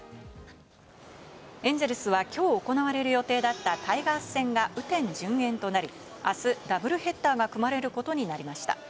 エンゼルスはきょう行われる予定だったタイガース戦が雨天順延となり、あすダブルヘッダーが組まれることになりました。